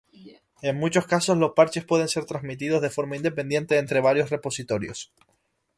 En muchos casos, los parches pueden ser transmitidos de forma independiente entre varios repositorios.